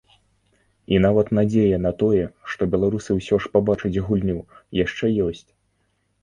І нават надзея на тое, што беларусы ўсё ж пабачаць гульню, яшчэ ёсць.